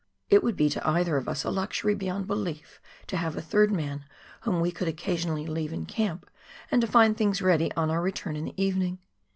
It would be to either of us a luxury beyond belief to have a third man whom we could occasionally leave in camp, and to find things ready on our return in the evening.